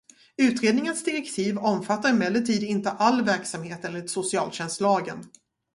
Utredningens direktiv omfattar emellertid inte all verksamhet enligt socialtjänstlagen.